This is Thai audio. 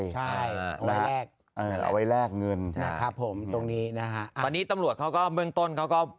ใช่รายแรกเอาไว้แลกเงินนะครับผมตรงนี้นะฮะตอนนี้ตำรวจเขาก็เบื้องต้นเขาก็